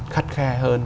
khắt khe hơn